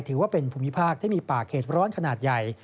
ถือว่าเป็นภูมิภาคที่มีป่าเขตร้อนขนาดใหญ่